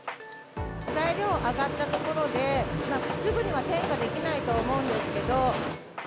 材料上がったところで、すぐには転嫁できないと思うんですけど。